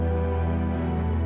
gobi aku mau ke rumah